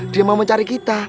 dia mau mencari kita